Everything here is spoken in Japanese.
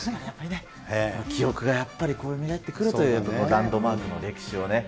記憶がやっぱりよみがえってくるという、ランドマークの歴史をね。